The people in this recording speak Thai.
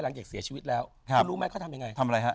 หลังจากเสียชีวิตแล้วเขารู้มั้ยเขาทำยังไง